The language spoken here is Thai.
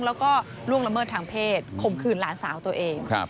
แล้วก็ล่วงละเมิดทางเพศข่มขืนหลานสาวตัวเอง